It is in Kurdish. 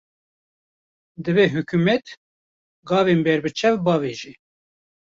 Divê hikûmet, gavên berbiçav bavêje